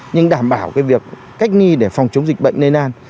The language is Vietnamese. nhưng đảm bảo việc cách ly để phòng chống dịch bệnh lây lan